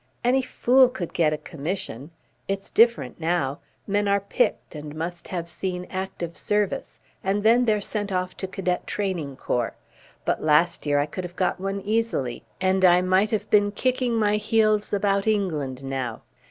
Any fool could get a commission. It's different now. Men are picked and must have seen active service, and then they're sent off to cadet training corps. But last year I could have got one easily. And I might have been kicking my heels about England now."